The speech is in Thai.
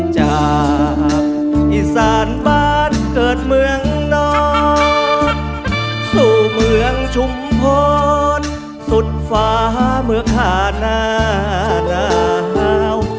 จากอีสานบ้านเกิดเมืองนอนสู่เมืองชุมพรสุดฟ้าเมื่อขาหน้าหนาว